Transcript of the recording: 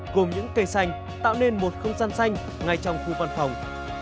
gồm những cây xanh tạo nên một không gian xanh ngay trong khu văn phòng